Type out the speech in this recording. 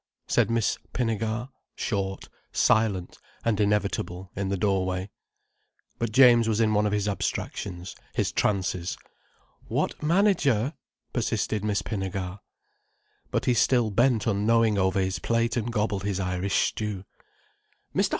said Miss Pinnegar, short, silent, and inevitable in the doorway. But James was in one of his abstractions, his trances. "What manager?" persisted Miss Pinnegar. But he still bent unknowing over his plate and gobbled his Irish stew. "Mr.